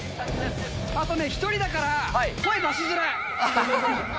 あとね、１人だから、声出しづらい。